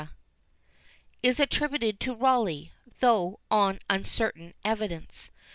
is attributed to Rawleigh, though on uncertain evidence.